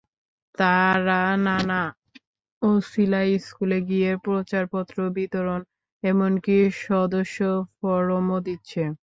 তারা নানা অছিলায় স্কুলে গিয়ে প্রচারপত্র বিতরণ, এমনকি সদস্য ফরমও দিচ্ছে।